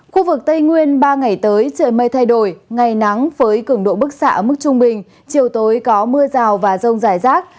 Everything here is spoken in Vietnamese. khu vực tây nguyên ba ngày tới trời mây thay đổi ngày nắng với cường độ bức xạ ở mức trung bình chiều tối có mưa rào và rông rải rác